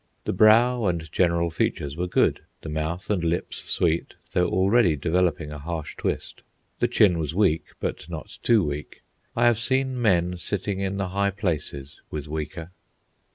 The brow and general features were good, the mouth and lips sweet, though already developing a harsh twist. The chin was weak, but not too weak; I have seen men sitting in the high places with weaker.